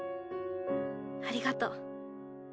ありがとう。